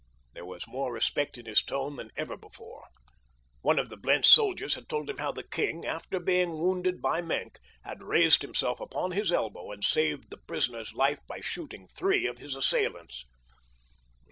There was more respect in his tone than ever before. One of the Blentz soldiers had told him how the "king," after being wounded by Maenck, had raised himself upon his elbow and saved the prisoner's life by shooting three of his assailants.